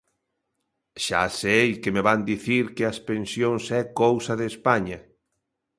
Xa sei que me van dicir que as pensións é cousa de España.